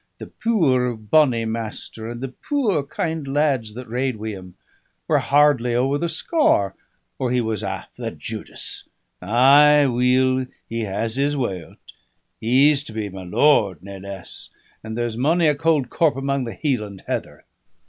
"The puir bonny Master, and the puir kind lads that rade wi' him, were hardly ower the scaur or he was aff the Judis! Ay, weel he has his way o't: he's to be my lord, nae less, and there's mony a cold corp amang the Hieland heather!"